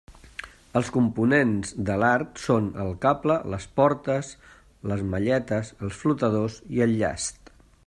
Els components de l'art són el cable, les portes, les malletes, els flotadors i el llast.